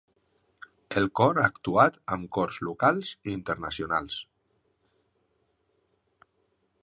El cor ha actuat amb cors locals i internacionals.